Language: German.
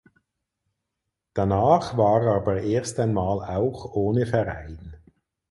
Danach war er aber erst einmal auch ohne Verein.